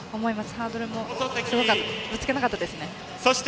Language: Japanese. ハードルもぶつけなかったですね。